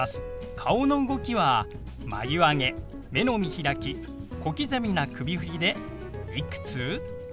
顔の動きは眉上げ目の見開き小刻みな首振りで「いくつ？」。